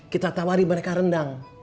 kita tawari mereka rendang